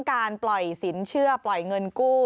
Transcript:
การปล่อยสินเชื่อปล่อยเงินกู้